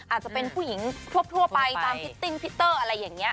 อาจจะเป็นผู้หญิงทั่วไปตามพิตติ้งพิเตอร์อะไรอย่างนี้